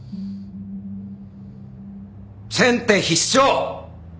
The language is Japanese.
先手必勝！